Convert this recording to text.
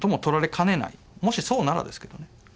もしそうならですけどね。